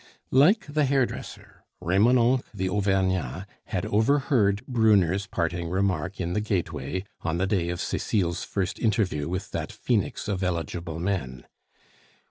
Like the hairdresser, Remonencq the Auvergnat had overheard Brunner's parting remark in the gateway on the day of Cecile's first interview with that phoenix of eligible men.